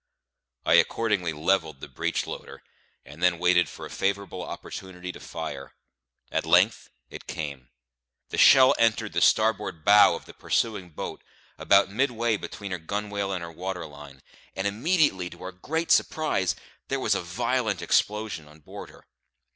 I accordingly levelled the breech loader, and then waited for a favourable opportunity to fire. At length it came. The shell entered the starboard bow of the pursuing boat, about midway between her gunwale and her water line; and immediately, to our great surprise, there was a violent explosion on board her.